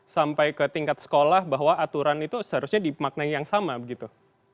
sampai ke tingkat sekolah bahwa aturan itu seharusnya dimaknai yang sama begitu